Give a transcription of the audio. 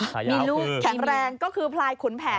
ลูกแข็งแรงก็คือพลายขุนแผน